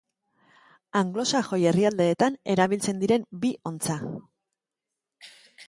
Anglosaxoi herrialdeetan erabiltzen diren bi ontza.